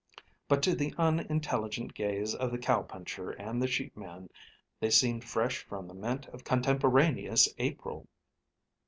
But to the unintelligent gaze of the cowpuncher and the sheepman they seemed fresh from the mint of contemporaneous April.